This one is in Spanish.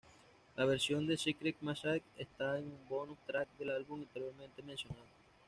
La versión de "Secret Messages" está en un "bonus track" del álbum anteriormente mencionado.